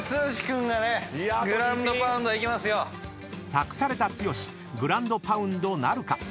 ［託された剛グランドパウンドなるか？］